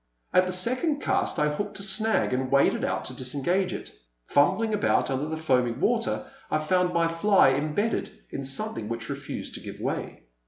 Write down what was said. At the second cast I hooked a snag and waded out to disengage it. Fumbling about under the foaming water I found my fly imbedded in some thing which refused to give way.